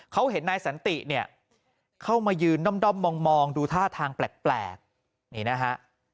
เขาเห็นนายสันติเนี่ยเข้ามายืนด้อมมองดูท่าทางแปลกนี่นะฮะ